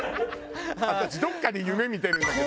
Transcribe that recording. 私どっかで夢見てるんだけど。